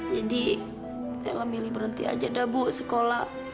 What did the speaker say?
jadi ella milih berhenti aja dah bu sekolah